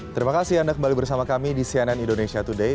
terima kasih anda kembali bersama kami di cnn indonesia today